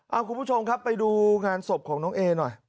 เอาคุณผู้ชมครับไปดูงานศพของน้องเอหน่อย